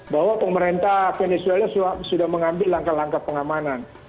bahwa pemerintah veneswe sudah mengambil langkah langkah pengamanan